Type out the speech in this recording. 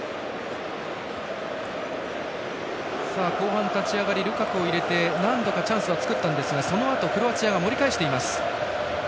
後半、立ち上がりルカクを入れて何度か、チャンスは作ったんですがそのあとクロアチアが盛り返しています。